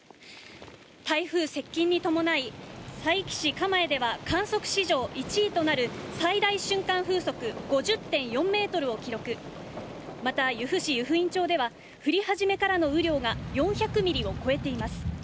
台風接近に伴い佐伯市蒲江では観測史上１位となる最大瞬間風速５０．４メートルを記録、また由布市湯布院町では降り始めからの雨量が４００ミリを超えています。